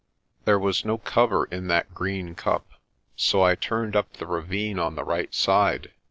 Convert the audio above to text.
There was no cover in that green cup, so I turned up the ravine on the right side.